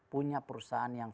punya perusahaan yang